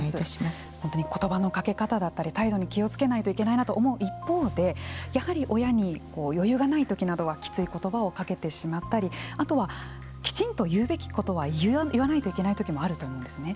本当に言葉のかけ方だったり態度に気をつけないとなと思う一方でやはり親に余裕がない時などはきつい言葉をかけてしまったりあとは、きちんと言うべきことは言わないといけない時もあると思うんですよね。